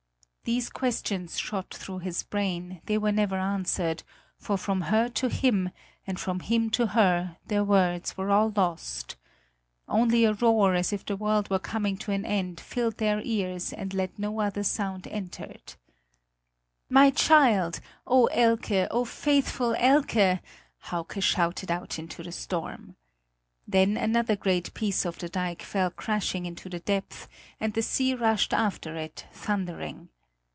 These questions shot through his brain; they were never answered, for from her to him, and from him to her, their words were all lost. Only a roar as if the world were coming to an end filled their ears and let no other sound enter. "My child! Oh, Elke, oh, faithful Elke!" Hauke shouted out into the storm. Then another great piece of the dike fell crashing into the depth, and the sea rushed after it, thundering.